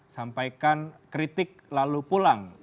sampaikan kritik lalu pulang